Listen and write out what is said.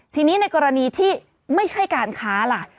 ทีนี้ในกรณีที่ไม่ใช่การค้าล่ะ